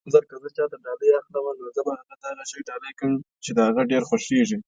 وخت د سرو زرو په څیر دی که په سمه توګه ترې ګټه وانخلې بيرته نه راګرځي